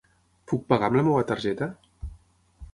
Puc pagar amb la meva targeta?